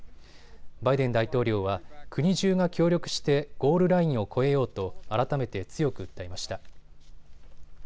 バイデン大統領は国じゅうが協力してゴールラインを超えようと改めて強く訴えました。